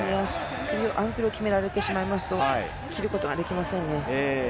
アンクルを決められてしまうと切ることができませんね。